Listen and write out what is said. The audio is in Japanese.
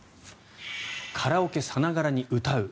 カラオケさながらに歌う。